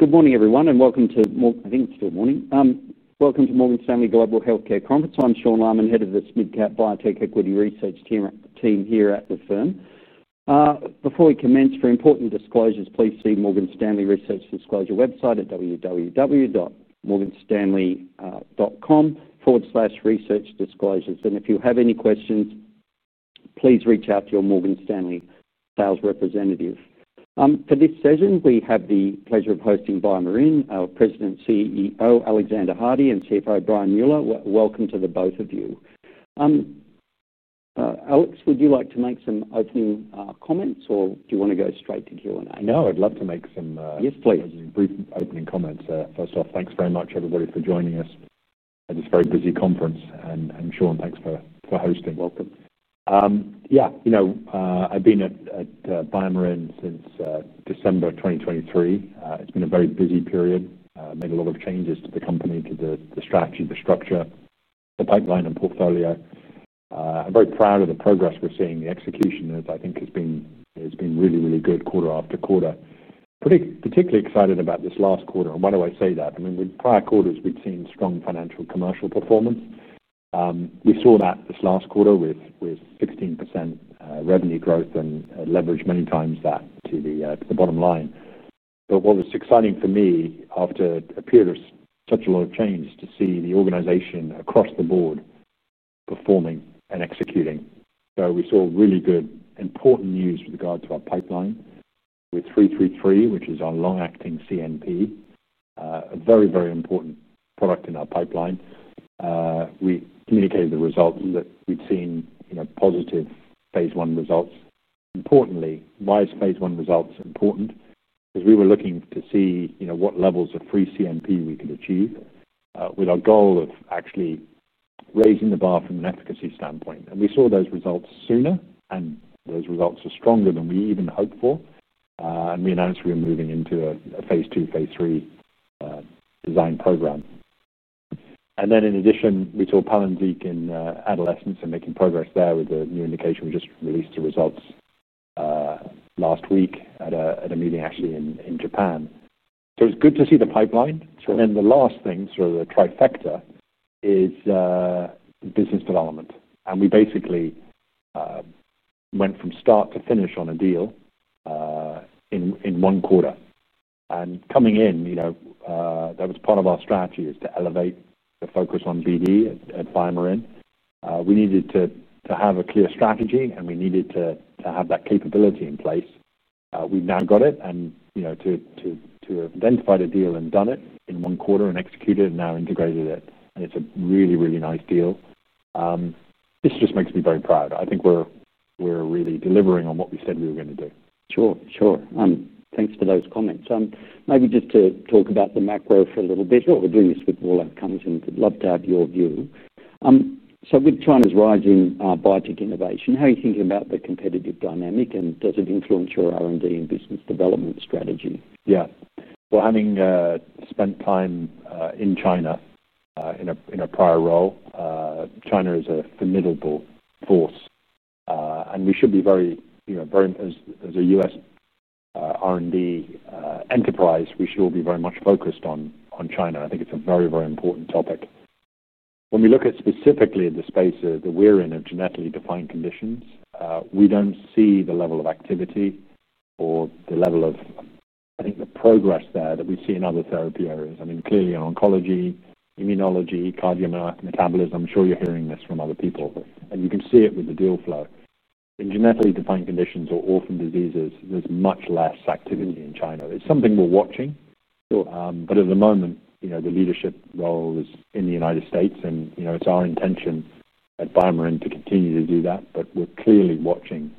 Good morning, everyone, and welcome to Morgan Stanley Global Healthcare Conference. I'm Sean Laaman, Head of the SMID-Cap Biotech Equity Research Team here at the firm. Before we commence, for important disclosures, please see Morgan Stanley Research Disclosure website at www.morganstanley.com/researchdisclosures. If you have any questions, please reach out to your Morgan Stanley sales representative. For this session, we have the pleasure of hosting BioMarin Pharmaceutical Inc., our President and CEO, Alexander Hardy, and CFO, Brian Mueller. Welcome to both of you. Alex, would you like to make some opening comments, or do you want to go straight to Q&A? No, I'd love to make some... Yes, please. Brief opening comments. First off, thanks very much, everybody, for joining us at this very busy conference. Sean, thanks for hosting. Welcome. Yeah, you know, I've been at BioMarin since December 2023. It's been a very busy period. I made a lot of changes to the company, to the strategy, the structure, the pipeline, and portfolio. I'm very proud of the progress we're seeing. The execution of it, I think, has been really, really good quarter after quarter. I'm particularly excited about this last quarter. Why do I say that? I mean, with prior quarters, we've seen strong financial commercial performance. You saw that this last quarter with 16% revenue growth and leveraged many times that to the bottom line. What was exciting for me after a period of such a lot of change is to see the organization across the board performing and executing. We saw really good important news with regard to our pipeline with BMN 333, which is our long-acting CNP, a very, very important product in our pipeline. We communicated the results that we'd seen, you know, positive phase I results. Importantly, why is phase I results important? Because we were looking to see, you know, what levels of free CNP we could achieve with our goal of actually raising the bar from an efficacy standpoint. We saw those results sooner, and those results are stronger than we even hoped for. We announced we were moving into a phase II, phase III design program. In addition, we saw PALYNZIQ in adolescence and making progress there with a new indication. We just released the results last week at a meeting actually in Japan. It's good to see the pipeline. The last thing, sort of the trifecta, is the business development. We basically went from start to finish on a deal in one quarter. Coming in, you know, that was part of our strategy is to elevate the focus on BD at BioMarin. We needed to have a clear strategy, and we needed to have that capability in place. We've now got it, and you know, to have identified a deal and done it in one quarter and executed it and now integrated it. It's a really, really nice deal. This just makes me very proud. I think we're really delivering on what we said we were going to do. Sure. Thanks for those comments. Maybe just to talk about the macro for a little bit. We're doing this with all our comments, and I'd love to have your view. With China's rising biotech innovation, how are you thinking about the competitive dynamic, and does it influence your R&D and business development strategy? Having spent time in China in a prior role, China is a formidable force. We should be very, you know, as a U.S. R&D enterprise, we should all be very much focused on China. I think it's a very, very important topic. When we look at specifically the space that we're in of genetically defined conditions, we don't see the level of activity or the level of, I think, the progress there that we see in other therapy areas. I mean, clearly, oncology, immunology, cardio-metabolism, I'm sure you're hearing this from other people. You can see it with the deal flow. In genetically defined conditions or orphan diseases, there's much less activity in China. It's something we're watching. At the moment, you know, the leadership role is in the United States, and you know, it's our intention at BioMarin to continue to do that. We're clearly watching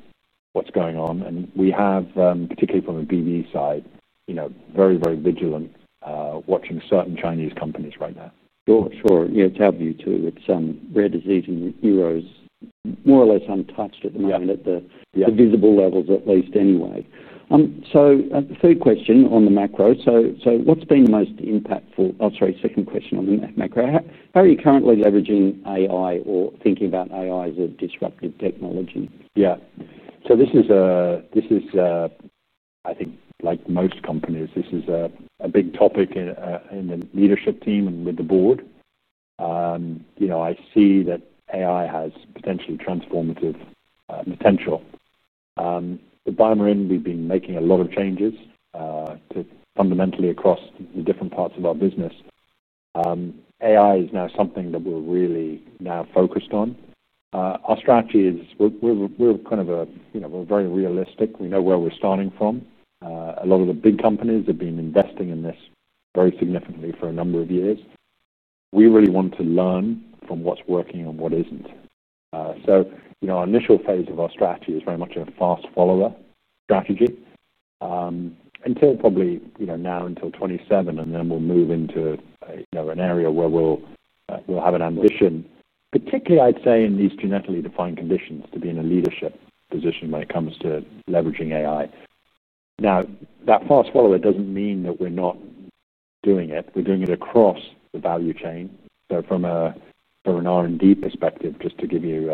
what's going on. We have, particularly from a BD side, you know, very, very vigilant watching certain Chinese companies right now. Sure, sure. Yeah, to have you too. It's rare disease in the euros, more or less untouched at the visible levels, at least anyway. Third question on the macro. What's been most impactful? I'll try a second question on the macro. How are you currently leveraging AI or thinking about AI as a disruptive technology? Yeah. This is a big topic in the leadership team and with the board. I see that AI has potentially transformative potential. At BioMarin, we've been making a lot of changes fundamentally across the different parts of our business. AI is now something that we're really now focused on. Our strategy is we're kind of, you know, we're very realistic. We know where we're starting from. A lot of the big companies have been investing in this very significantly for a number of years. We really want to learn from what's working and what isn't. Our initial phase of our strategy is very much a fast follower strategy until probably now until 2027, and then we'll move into an area where we'll have an ambition, particularly, I'd say, in these genetically defined conditions to be in a leadership position when it comes to leveraging AI. That fast follower doesn't mean that we're not doing it. We're doing it across the value chain. From an R&D perspective, just to give you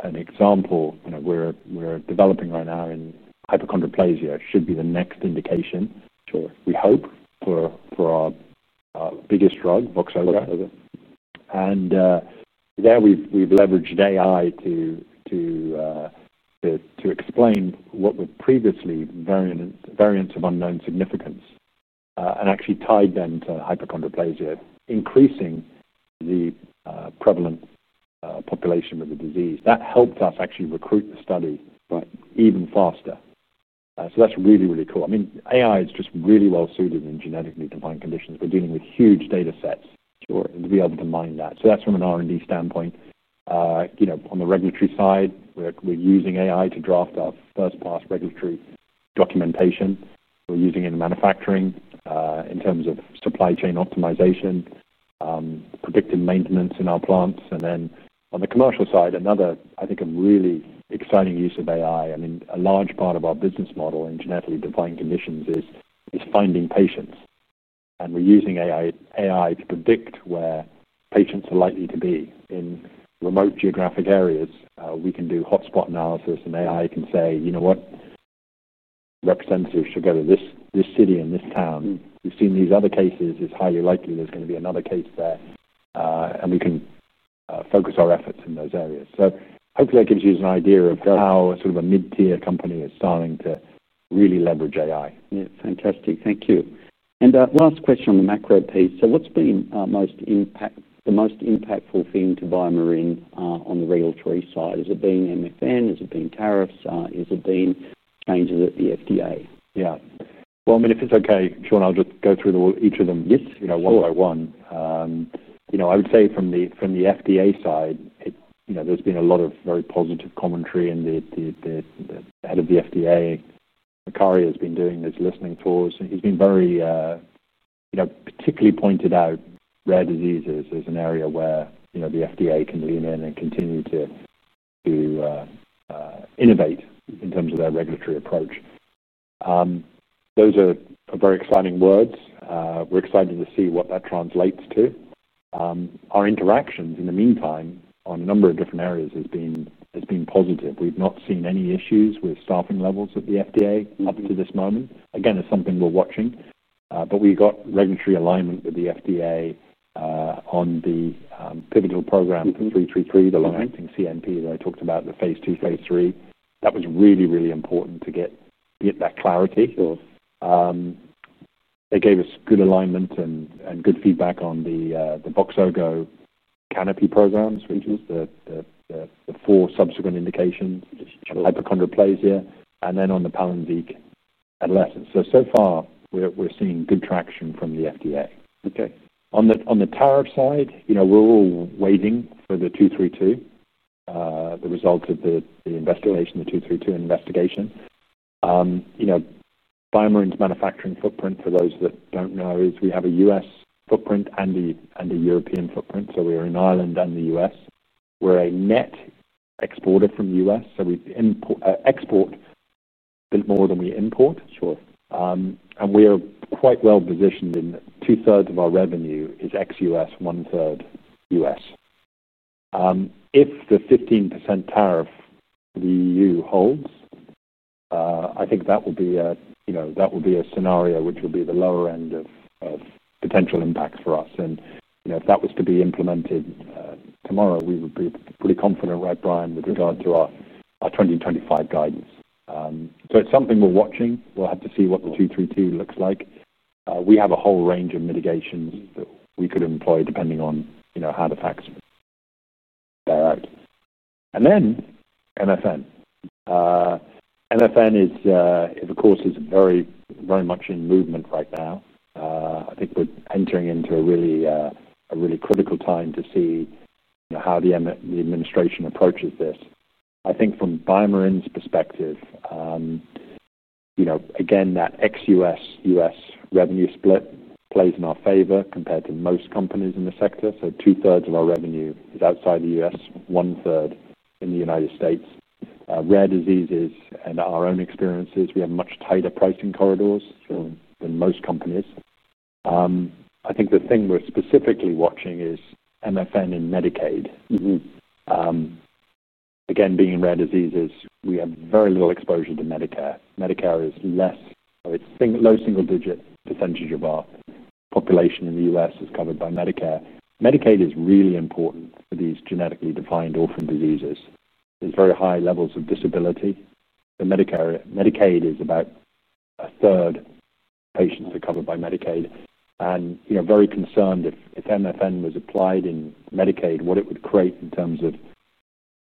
an example, we're developing right now in hypochondroplasia. It should be the next indication, sure, we hope, for our biggest drug, VOXZOGO. There we've leveraged AI to explain what were previously variants of unknown significance and actually tied them to hypochondroplasia, increasing the prevalent population of the disease. That helped us actually recruit the study even faster. That's really, really cool. AI is just really well suited in genetically defined conditions. We're dealing with huge data sets to be able to mine that. That's from an R&D standpoint. On the regulatory side, we're using AI to draft our first-pass regulatory documentation. We're using it in manufacturing in terms of supply chain optimization, predictive maintenance in our plants. On the commercial side, another really exciting use of AI, and a large part of our business model in genetically defined conditions, is finding patients. We're using AI to predict where patients are likely to be in remote geographic areas. We can do hot spot analysis, and AI can say, you know what, representatives should go to this city and this town. We've seen these other cases. It's highly likely there's going to be another case there. We can focus our efforts in those areas. Hopefully, that gives you an idea of how a sort of a mid-tier company is starting to really leverage AI. Fantastic. Thank you. Last question on the macro piece. What's been the most impactful thing to BioMarin on the regulatory side? Has it been MFN? Has it been tariffs? Has it been changes at the FDA? Yeah. If it's okay, Sean, I'll just go through each of them, yes, one by one. I would say from the FDA side, there's been a lot of very positive commentary, and the head of the FDA, Califf, has been doing this listening for us. He's been very, you know, particularly pointed out rare diseases as an area where the FDA can lean in and continue to innovate in terms of their regulatory approach. Those are very exciting words. We're excited to see what that translates to. Our interactions in the meantime on a number of different areas have been positive. We've not seen any issues with staffing levels at the FDA up to this moment. It's something we're watching. We got regulatory alignment with the FDA on the pivotal program for BMN 333, the long-acting CNP therapy that I talked about, the phase II, phase III. That was really, really important to get that clarity. It gave us good alignment and good feedback on the VOXZOGO Canopy clinical trial programs, which was the four subsequent indications, which is hypochondroplasia, and then on the PALYNZIQ adolescence. So far, we're seeing good traction from the FDA. On the tariff side, we're all waiting for the Section 232, the result of the investigation, the Section 232 investigation. BioMarin Pharmaceutical Inc.'s manufacturing footprint, for those that don't know, is we have a U.S. footprint and a European footprint. We are in Ireland and the U.S. We're a net exporter from the U.S., so we export a bit more than we import. We are quite well positioned in that 2/3 of our revenue is ex-U.S., 1/3 U.S. If the 15% tariff the EU holds, I think that will be a scenario which will be the lower end of potential impacts for us. If that was to be implemented tomorrow, we would be pretty confident, right, Brian, with regard to our 2025 guidance. It's something we're watching. We'll have to see what the Section 232 looks like. We have a whole range of mitigations that we could employ depending on how the tax bill. Then MFN. MFN is, of course, very, very much in movement right now. I think we're entering into a really critical time to see how the administration approaches this. I think from BioMarin Pharmaceutical Inc.'s perspective, again, that ex-U.S., U.S. revenue split plays in our favor compared to most companies in the sector. 2/3 of our revenue is outside the U.S., 1/3 in the United States. Rare diseases and our own experiences, we have much tighter pricing corridors than most companies. I think the thing we're specifically watching is MFN in Medicaid. Again, being rare diseases, we have very little exposure to Medicare. Medicare is less. It's a low single-digit percentage of our population in the U.S. is covered by Medicare. Medicaid is really important for these genetically defined orphan diseases. There's very high levels of disability. Medicaid is about a third of patients are covered by Medicaid. You know, very concerned if MFN was applied in Medicaid, what it would create in terms of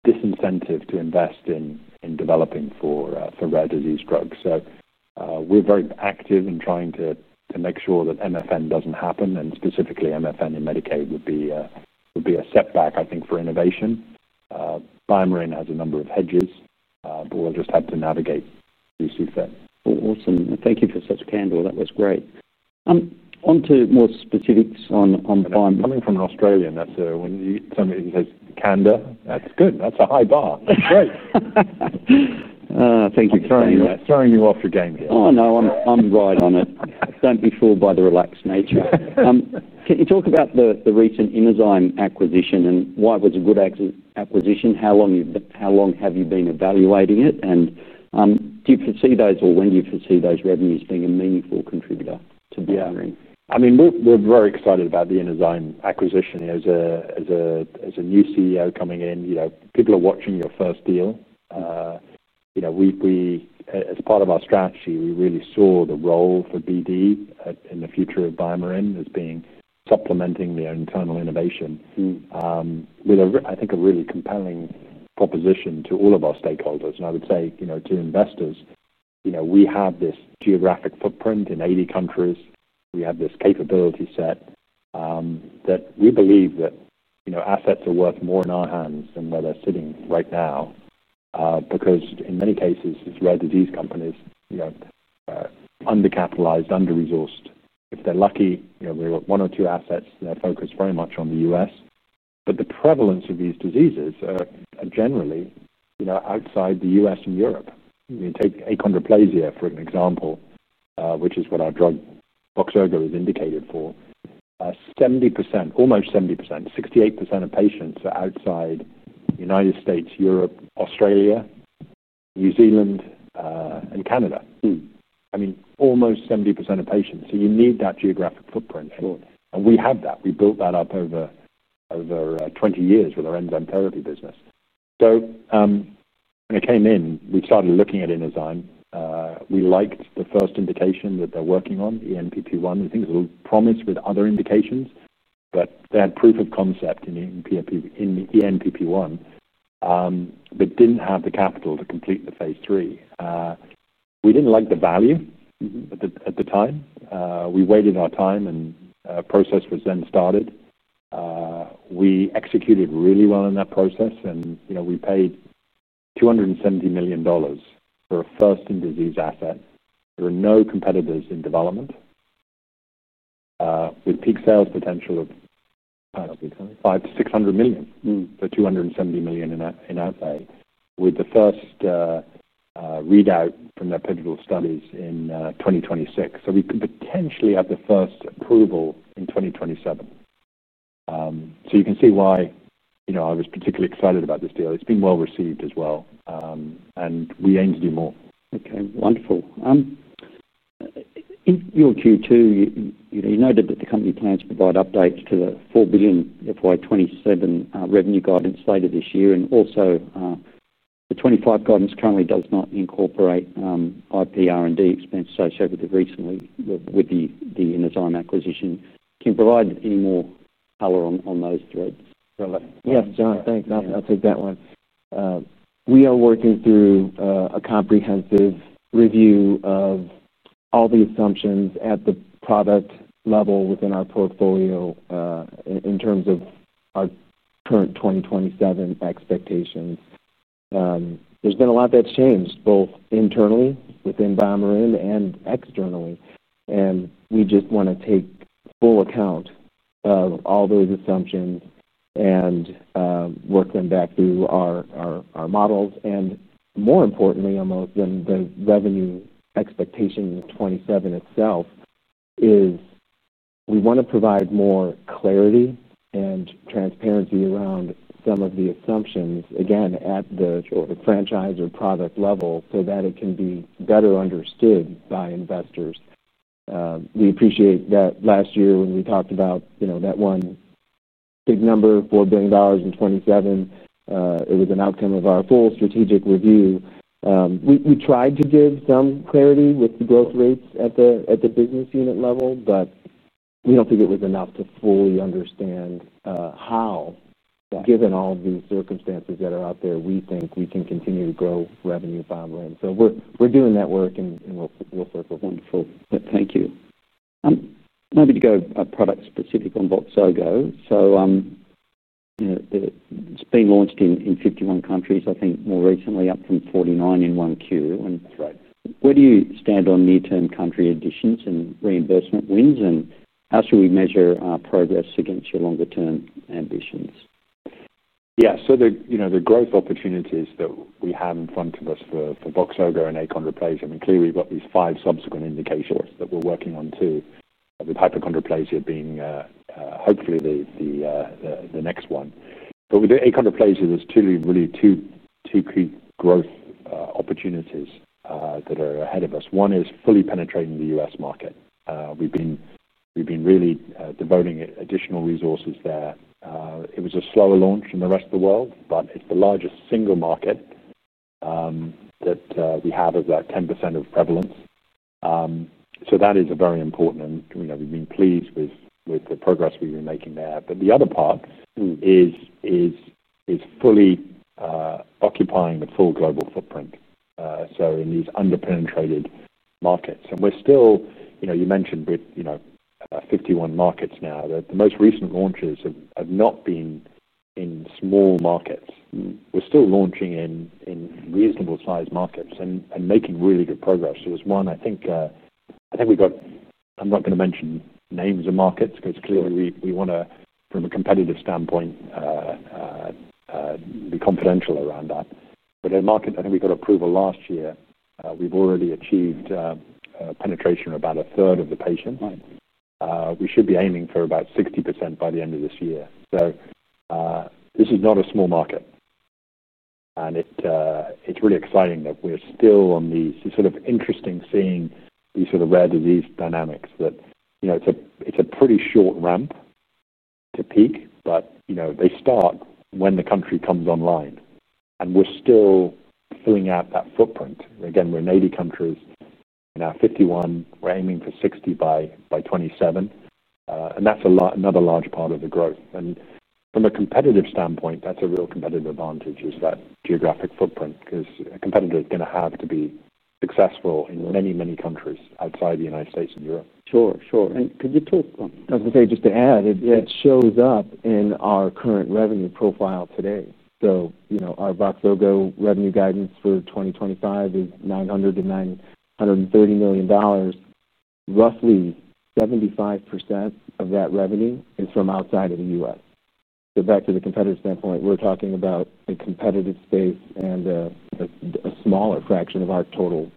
disincentive to invest in developing for rare disease drugs. We're very active in trying to make sure that MFN doesn't happen. Specifically, MFN in Medicaid would be a setback, I think, for innovation. BioMarin has a number of hedges, but we'll just have to navigate these two things. Awesome. Thank you for such a candor. That was great. On to more specifics on BioMarin. I'm coming from Australia. That's when somebody says candor, that's good. That's a high bar. That's great. Thank you for that. Throwing you off your game here. Oh, no. I'm right on it. Don't be fooled by the relaxed nature. Can you talk about the recent InnoSIGN acquisition and why it was a good acquisition? How long have you been evaluating it? Do you foresee those, or when do you foresee those revenues being a meaningful contributor to BioMarin? Yeah. I mean, we're very excited about the InnoSIGN acquisition. As a new CEO coming in, you know, people are watching your first deal. As part of our strategy, we really saw the role for BD in the future of BioMarin as being supplementing the internal innovation with, I think, a really compelling proposition to all of our stakeholders. I would say, you know, to investors, you know, we have this geographic footprint in 80 countries. We have this capability set that you believe that, you know, assets are worth more in our hands than where they're sitting right now. Because in many cases, these rare disease companies, you know, undercapitalized, under-resourced. If they're lucky, you know, they've got one or two assets. They're focused very much on the U.S. The prevalence of these diseases are generally, you know, outside the U.S. and Europe. You take achondroplasia, for an example, which is what our drug VOXZOGO is indicated for. 70%, almost 70%, 68% of patients are outside the United States, Europe, Australia, New Zealand, and Canada. I mean, almost 70% of patients. You need that geographic footprint. We have that. We built that up over 20 years with our enzyme therapy business. When I came in, we started looking at InnoSIGN. We liked the first indication that they're working on, the ENPP1 asset. I think there's a little promise with other indications, but they had proof of concept in the ENPP1, but didn't have the capital to complete the phase III. We didn't like the value at the time. We waited our time, and a process was then started. We executed really well in that process. You know, we paid $270 million for a first-in-disease asset. There were no competitors in development, with peak sales potential of, I don't know, $500 million, $600 million. So $270 million in asset, with the first readout from their pivotal studies in 2026. We could potentially have the first approval in 2027. You can see why, you know, I was particularly excited about this deal. It's been well received as well. We aim to do more. Okay. Wonderful. In your Q2, you noted that the company plans to provide updates to the $4 billion FY 2027 revenue guidance later this year. Also, the 2025 guidance currently does not incorporate IP R&D expense associated with the InnoSIGN acquisition. Can you provide any more color on those threads? Yeah, Sean, thanks. I'll take that one. We are working through a comprehensive review of all the assumptions at the product level within our portfolio in terms of our current 2027 expectations. There's been a lot that's changed both internally within BioMarin and externally. We just want to take full account of all those assumptions and work them back through our models. More importantly, almost than the revenue expectation of 2027 itself, is we want to provide more clarity and transparency around some of the assumptions, again, at the franchise or product level so that it can be better understood by investors. We appreciate that last year when we talked about, you know, that one big number, $4 billion in 2027, it was an outcome of our full strategic review. We tried to give some clarity with the growth rates at the business unit level, but we don't think it was enough to fully understand how, given all of these circumstances that are out there, we think we can continue to grow revenue at BioMarin. We are doing that work, and we'll work with them. Thank you. Maybe to go product-specific on VOXZOGO, so it's been launched in 51 countries, I think, more recently, up from 49 in Q1. Where do you stand on near-term country additions and reimbursement wins, and how should we measure our progress against your longer-term ambitions? Yeah. The growth opportunities that we have in front of us for VOXZOGO and achondroplasia, I mean, clearly, we've got these five subsequent indications that we're working on too, with hypochondroplasia being hopefully the next one. With the achondroplasia, there's truly really two key growth opportunities that are ahead of us. One is fully penetrating the U.S. market. We've been really devoting additional resources there. It was a slower launch than the rest of the world, but it's the largest single market that we have of about 10% of prevalence. That is very important. We've been pleased with the progress we've been making there. The other part is fully occupying a full global footprint in these underpenetrated markets. We're still, you know, you mentioned with, you know, 51 markets now, that the most recent launches have not been in small markets. We're still launching in reasonable-sized markets and making really good progress. There was one, I think we got, I'm not going to mention names of markets because clearly we want to, from a competitive standpoint, be confidential around that. In a market, I think we got approval last year, we've already achieved penetration of about a third of the patients. We should be aiming for about 60% by the end of this year. This is not a small market. It's really exciting that we're still on these. It's sort of interesting seeing these sort of rare disease dynamics that, you know, it's a pretty short ramp to peak, but, you know, they start when the country comes online. We're still filling out that footprint. Again, we're in 80 countries. We're now 51. We're aiming for 60 by 2027. That's another large part of the growth. From a competitive standpoint, that's a real competitive advantage. That geographic footprint is a competitor is going to have to be successful in many, many countries outside the United States and Europe. Sure. Could you talk, as I say, just to add, it shows up in our current revenue profile today. Our VOXZOGO revenue guidance for 2025 is $930 million. Roughly 75% of that revenue is from outside of the U.S. Back to the competitive standpoint, we're talking about a competitive space and a smaller fraction of our total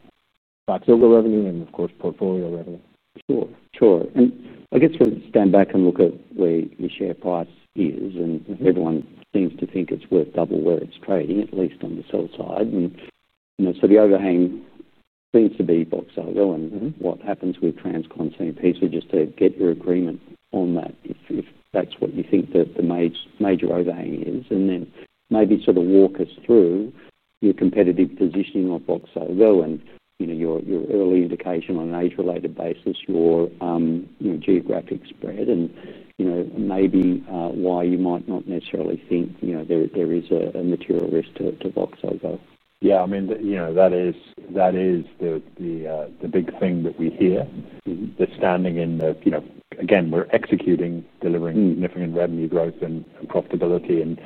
VOXZOGO revenue and, of course, portfolio revenue. Sure. I guess you stand back and look at where your share price is, and everyone seems to think it's worth double the way it's trading, at least on the sell side. The overhang seems to be VOXZOGO and what happens with Transcontinental PC, just to get your agreement on that if that's what you think the major overhang is. Maybe walk us through your competitive positioning of VOXZOGO and your early indication on an age-related basis, your geographic spread, and maybe why you might not necessarily think there is a material risk to VOXZOGO. Yeah, I mean, that is the big thing that we hear. The standing in the, you know, again, we're executing, delivering significant revenue growth and profitability.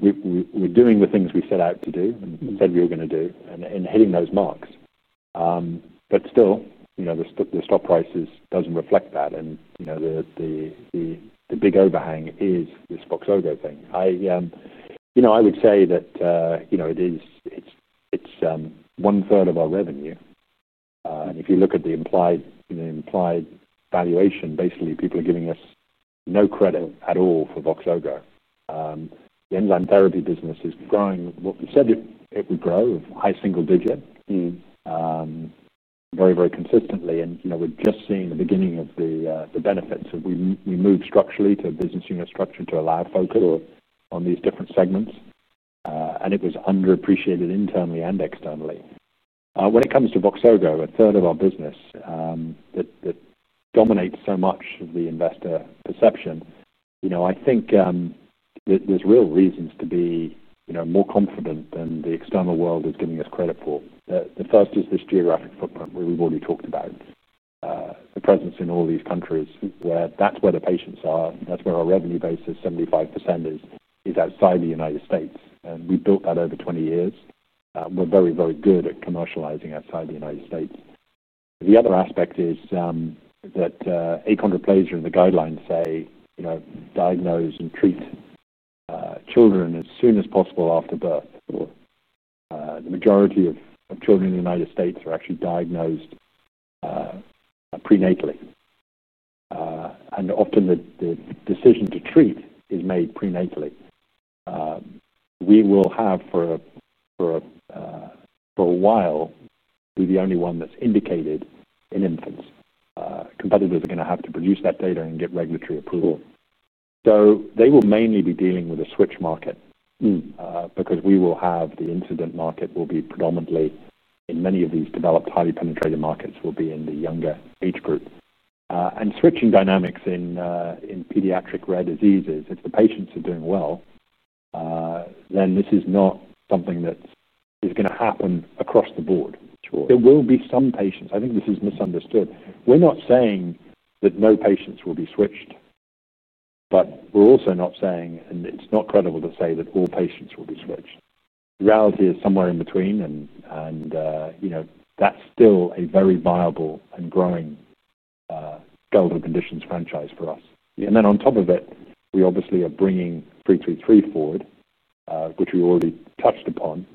We're doing the things we set out to do and said we were going to do and hitting those marks. Still, the stock price doesn't reflect that. The big overhang is this VOXZOGO thing. I would say that it is, it's one-third of our revenue. If you look at the implied valuation, basically, people are giving us no credit at all for VOXZOGO. The enzyme therapy business is growing what we said it would grow, a high single digit, very, very consistently. We're just seeing the beginning of the benefits. We moved structurally to a business unit structure to allow focus on these different segments. It was underappreciated internally and externally. When it comes to VOXZOGO, a third of our business that dominates so much of the investor perception, I think there's real reasons to be more confident than the external world is giving us credit for. The first is this geographic footprint where we've already talked about the presence in all these countries where that's where the patients are. That's where our revenue base is. 75% is outside the U.S. We built that over 20 years. We're very, very good at commercializing outside the U.S. The other aspect is that achondroplasia and the guidelines say diagnose and treat children as soon as possible after birth. The majority of children in the U.S. are actually diagnosed prenatally. Often, the decision to treat is made prenatally. We will have, for a while, been the only one that's indicated in infants. Competitors are going to have to produce that data and get regulatory approval. They will mainly be dealing with a switch market because the incident market will be predominantly in many of these developed, highly penetrated markets, in the younger age group. Switching dynamics in pediatric rare diseases, if the patients are doing well, then this is not something that is going to happen across the board. There will be some patients. I think this is misunderstood. We're not saying that no patients will be switched, but we're also not saying, and it's not credible to say that all patients will be switched. VOXZOGO is somewhere in between, and that's still a very viable and growing skeletal conditions franchise for us. On top of it, we obviously are bringing BMN 333 forward, which we already touched upon.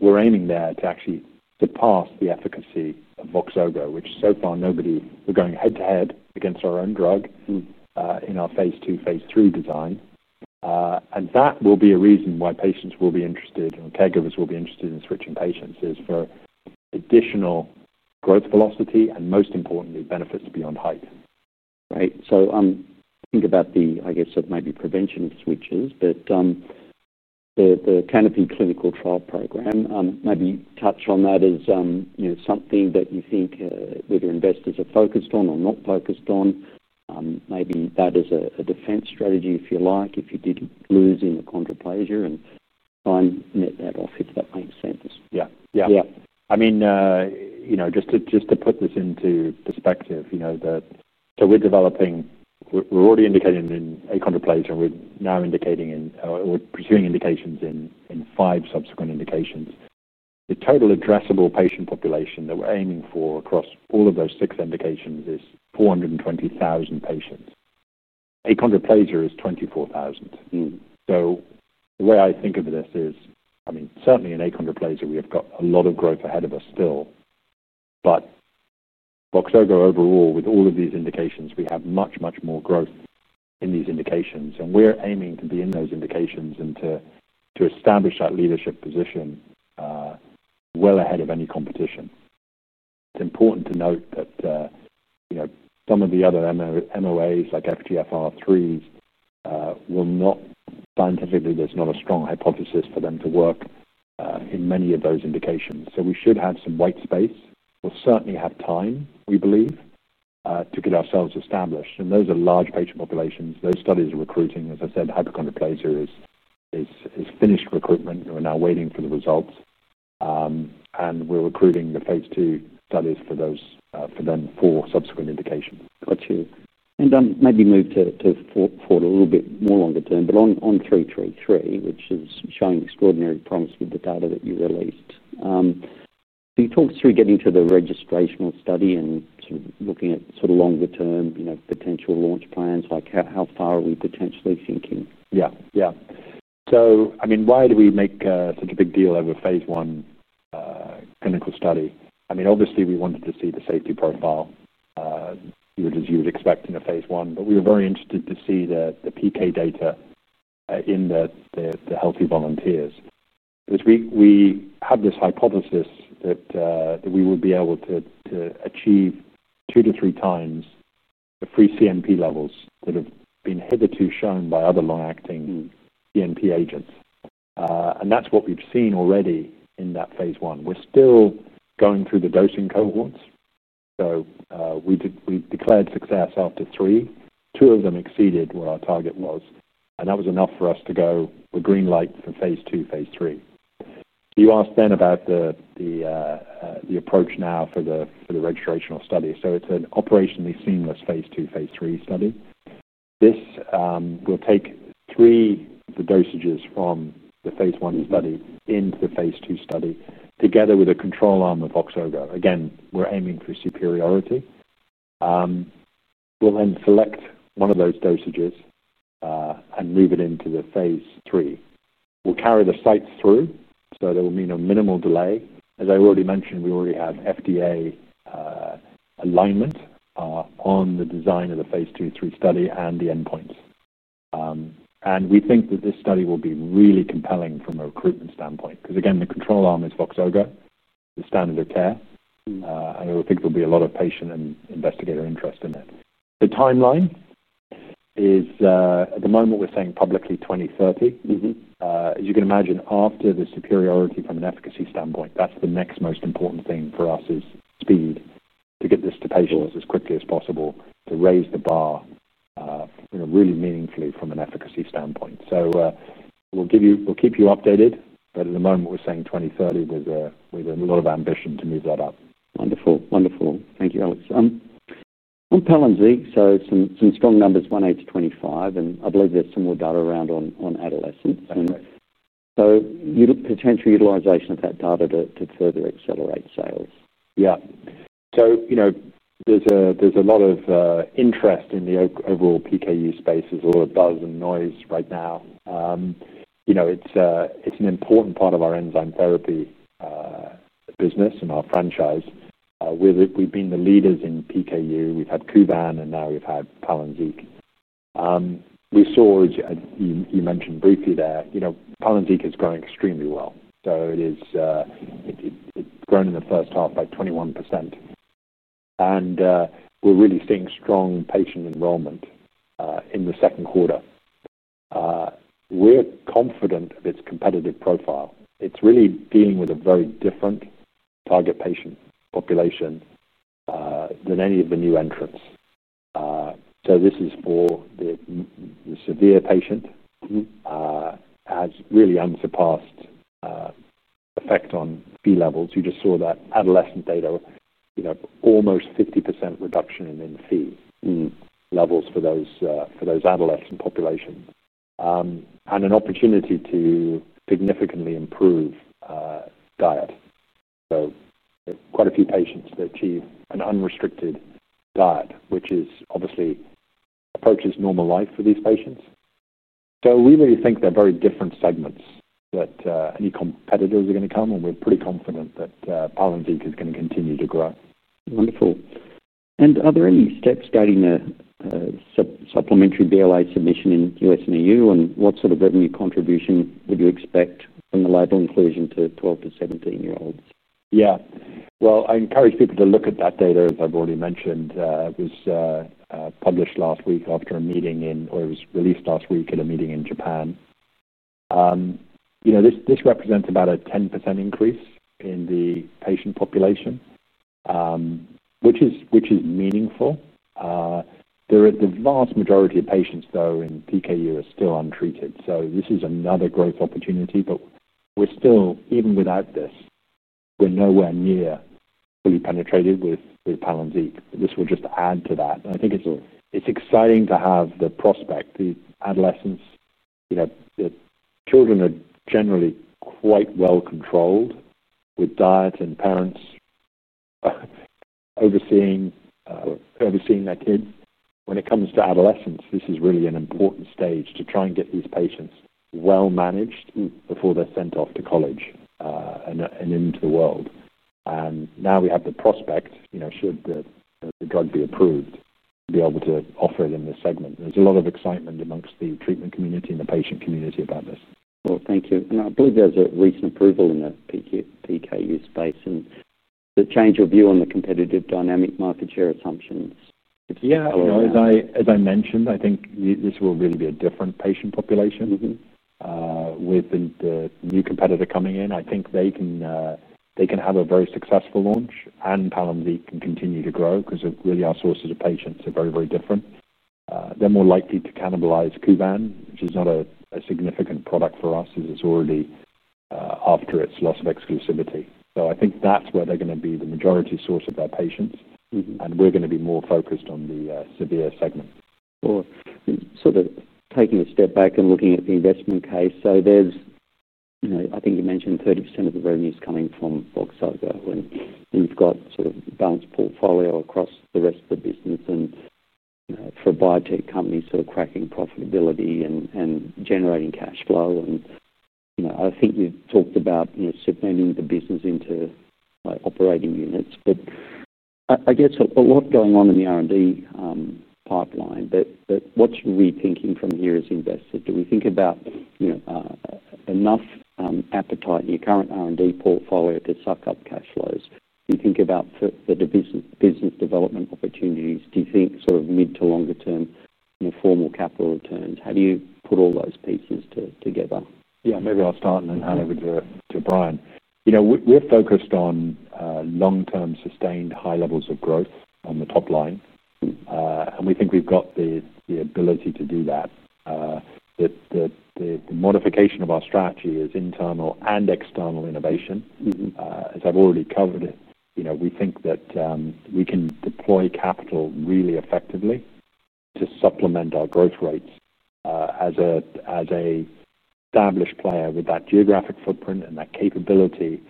We're aiming there to actually surpass the efficacy of VOXZOGO, which so far nobody, we're going head-to-head against our own drug in our phase II, phase III design. That will be a reason why patients will be interested and caregivers will be interested in switching patients, for additional growth velocity and, most importantly, benefits beyond height. Right. Think about the, I guess, it might be prevention of switches, but the Canopy clinical trial program, maybe touch on that as something that you think whether investors are focused on or not focused on. Maybe that is a defense strategy, if you like, if you did lose in achondroplasia and try and net that off if that makes sense. Yeah, yeah. I mean, you know, just to put this into perspective, we're developing, we're already indicating in achondroplasia, and we're now indicating in, or pursuing indications in five subsequent indications. The total addressable patient population that we're aiming for across all of those six indications is 420,000 patients. Achondroplasia is 24,000. The way I think of this is, I mean, certainly in achondroplasia, we have got a lot of growth ahead of us still. VIMIZIM overall, with all of these indications, we have much, much more growth in these indications. We're aiming to be in those indications and to establish that leadership position well ahead of any competition. It's important to note that some of the other MOAs like FGFR-3s will not, scientifically, there's not a strong hypothesis for them to work in many of those indications. We should have some white space. We'll certainly have time, we believe, to get ourselves established. Those are large patient populations. Those studies are recruiting. As I said, hypochondroplasia has finished recruitment. We're now waiting for the results. We're recruiting the phase II studies for the four subsequent indications. Got you. Maybe move to a little bit more longer term, but on BMN 333, which is showing extraordinary promise with the data that you released. Can you talk us through getting to the registrational study and sort of looking at longer-term, you know, potential launch plans? Like how far are we potentially thinking? Yeah, yeah. I mean, why did we make such a big deal over phase I clinical study? Obviously, we wanted to see the safety profile, as you would expect in a phase I, but we were very interested to see the PK data in the healthy volunteers. We had this hypothesis that we would be able to achieve two to three times the free CNP levels that have been hitherto shown by other long-acting CNP agents. That's what we've seen already in that phase I. We're still going through the dosing cohorts. We declared success after three. Two of them exceeded what our target was. That was enough for us to go with green light for phase II, phase III. You asked then about the approach now for the registrational study. It is an operationally seamless phase II, phase III study. This will take three of the dosages from the phase 1 study into the phase II study, together with a control arm of VOXZOGO. Again, we're aiming for superiority. We'll then select one of those dosages and move it into the phase 3. We'll carry the sites through, so there will be no minimal delay. As I already mentioned, we already have FDA alignment on the design of the phase II, phase III study and the endpoints. We think that this study will be really compelling from a recruitment standpoint because, again, the control arm is VOXZOGO, the standard of care. We think there'll be a lot of patient and investigator interest in it. The timeline is, at the moment, we're saying publicly 2030. As you can imagine, after the superiority from an efficacy standpoint, that's the next most important thing for us is speed to get this to patients as quickly as possible to raise the bar, you know, really meaningfully from an efficacy standpoint. We'll keep you updated. At the moment, we're saying 2030 with a lot of ambition to move that up. Wonderful. Wonderful. Thank you. That was on PALYNZIQ. Some strong numbers, 18%-25%. I believe there's some more data around on adolescents. You'd potentially utilize that data to further accelerate sales. Yeah. So, you know, there's a lot of interest in the overall PKU space. There's a lot of buzz and noise right now. It's an important part of our enzyme therapy business and our franchise. We've been the leaders in PKU. We've had Kuvan and now we've had PALYNZIQ. We saw, as you mentioned briefly there, PALYNZIQ is growing extremely well. It's grown in the first half by 21%. We're really seeing strong patient enrollment in the second quarter. We're confident of its competitive profile. It's really dealing with a very different target patient population than any of the new entrants. This is for the severe patient. It has really unsurpassed effect on P-levels. You just saw that adolescent data, almost 50% reduction in P-levels for those adolescent populations, and an opportunity to significantly improve diet. Quite a few patients achieve an unrestricted diet, which obviously approaches normal life for these patients. We really think there are very different segments that any competitors are going to come, and we're pretty confident that PALYNZIQ is going to continue to grow. Wonderful. Are there any steps guiding a supplementary BLA submission in the U.S. and EU? What sort of revenue contribution would you expect from the label inclusion to 12-17-year-olds? Yeah. I encourage people to look at that data, as I've already mentioned. It was published last week after a meeting in, or it was released last week at a meeting in Japan. This represents about a 10% increase in the patient population, which is meaningful. The vast majority of patients, though, in PKU are still untreated. This is another growth opportunity. We're still, even without this, nowhere near fully penetrated with PALYNZIQ. This will just add to that. I think it's exciting to have the prospect, the adolescents, you know, the children are generally quite well controlled with diet and parents overseeing their kids. When it comes to adolescents, this is really an important stage to try and get these patients well managed before they're sent off to college and into the world. Now we have the prospect, you know, should the drug be approved, to be able to offer them the segment. There's a lot of excitement amongst the treatment community and the patient community about this. Thank you. I believe there's a recent approval in the PKU space. Does it change your view on the competitive dynamic market share assumptions? Yeah. As I mentioned, I think this will really be a different patient population. With the new competitor coming in, I think they can have a very successful launch and PALYNZIQ can continue to grow because really our sources of patients are very, very different. They're more likely to cannibalize KUVAN, which is not a significant product for us as it's already after its loss of exclusivity. I think that's where they're going to be the majority source of their patients, and we're going to be more focused on the severe segment. Sure. Taking a step back and looking at the investment case, there's, you know, I think you mentioned 30% of the revenue is coming from VOXZOGO, and you've got a balanced portfolio across the rest of the business. For biotech companies, cracking profitability and generating cash flow is important. I think you talked about segmenting the business into operating units. There's a lot going on in the R&D pipeline. What's your thinking from here as investors? Do we think about enough appetite in your current R&D portfolio to absorb cash flows? Do you think about the business development opportunities? Do you think mid to longer-term, more formal capital returns? How do you put all those pieces together? Maybe I'll start and then hand over to Brian. You know, we're focused on long-term sustained high levels of growth on the top line, and we think we've got the ability to do that. The modification of our strategy is internal and external innovation. As I've already covered, you know, we think that we can deploy capital really effectively to supplement our growth rates. As an established player with that geographic footprint and that capability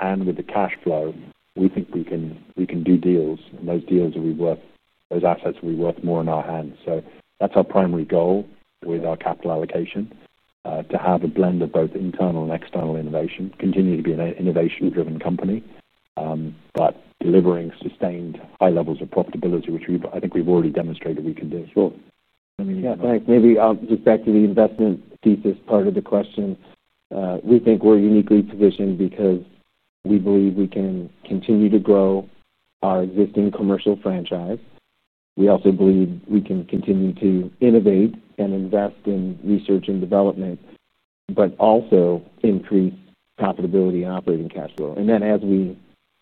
and with the cash flow, we think we can do deals. Those deals will be worth, those assets will be worth more in our hands. That's our primary goal with our capital allocation, to have a blend of both internal and external innovation, continue to be an innovation-driven company, but delivering sustained high levels of profitability, which I think we've already demonstrated we can do. Sure. Thanks. Maybe I'll jump back to the investment thesis part of the question. We think we're uniquely positioned because we believe we can continue to grow our existing commercial franchise. We also believe we can continue to innovate and invest in research and development, but also increase profitability and operating cash flow. As we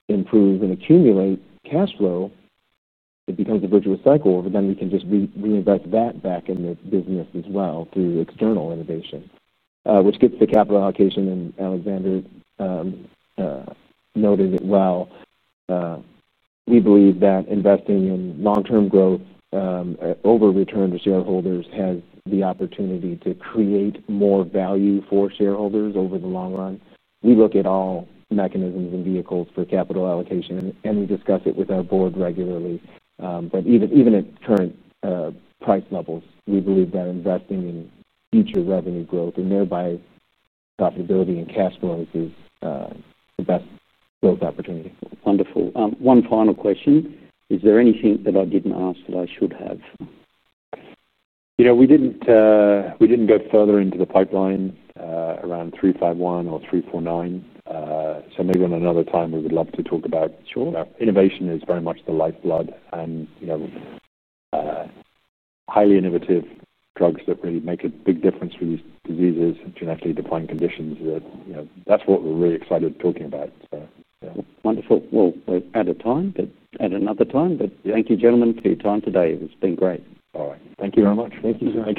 improve and accumulate cash flow, it becomes a virtuous cycle, where we can just reinvest that back in this business as well through external innovation, which gets the capital allocation. Alexander noted it well. We believe that investing in long-term growth over return to shareholders has the opportunity to create more value for shareholders over the long run. We look at all mechanisms and vehicles for capital allocation, and we discuss it with our board regularly. Even at current price levels, we believe that investing in future revenue growth and thereby profitability and cash flow is the best growth opportunity. Wonderful. One final question. Is there anything that I didn't ask that I should have? We didn't go further into the pipeline around BMN 351 or BMN 349. Maybe another time, we would love to talk about it. Sure. Innovation is very much the lifeblood. Highly innovative drugs that really make a big difference for these diseases and genetically defined conditions, that's what we're really excited talking about. Wonderful. We're out of time, but thank you, gentlemen, for your time today. It's been great. All right. Thank you very much. Thank you, Sean.